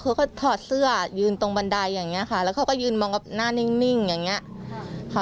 คือเขาถอดเสื้อยืนตรงบันไดอย่างนี้ค่ะแล้วเขาก็ยืนมองกับหน้านิ่งอย่างนี้ค่ะ